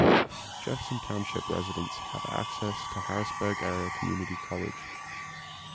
Jefferson Township residents have access to Harrisburg Area Community College.